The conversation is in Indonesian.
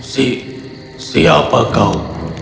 si siapa kau